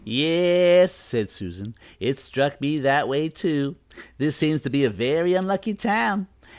"Yes," said Susan, "it struck me that way, too. This seems to be a very unlucky town.